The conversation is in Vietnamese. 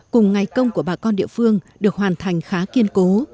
cùng ngày công của bà con địa phương được hoàn thành khá kiên cố